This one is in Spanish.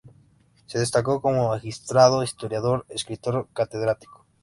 Se destacó como magistrado, historiador, escritor catedrático.